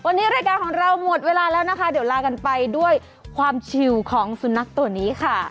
วันนี้รายการของเราหมดเวลาแล้วนะคะเดี๋ยวลากันไปด้วยความชิวของสุนัขตัวนี้ค่ะ